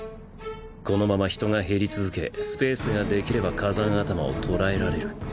このまま人が減り続けスペースが出来れば火山頭を捕らえられる。